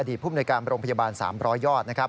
อดีตภูมิในการโรงพยาบาล๓๐๐ยอด